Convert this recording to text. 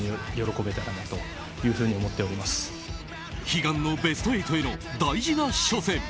悲願のベスト８への大事な初戦。